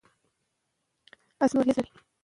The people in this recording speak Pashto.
ذوالفقار خان د فراه حاکم وټاکل شو.